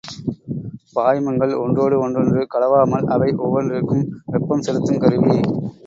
பாய்மங்கள் ஒன்றோடு மற்றொன்று கலவாமல் அவை ஒவ்வொன்றிற்கும் வெப்பம் செலுத்துங் கருவி.